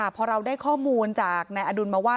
พอเราได้ข้อมูลจากนายอดุลมาว่า